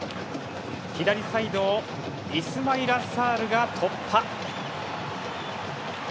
左サイドをイスマイラ・サールが突破。